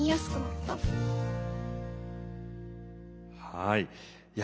はい。